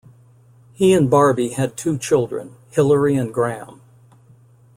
He and Barbie had two children; Hilary and Graham.